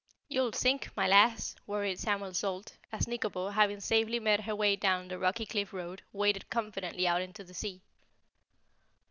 "You'll sink, my Lass," worried Samuel Salt, as Nikobo, having safely made her way down the rocky cliff road, waded confidently out into the sea.